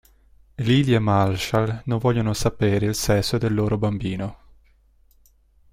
Lily e Marshall non vogliono sapere il sesso del loro bambino.